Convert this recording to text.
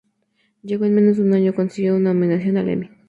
Luego, en menos de un año, consiguió una nominación al Emmy.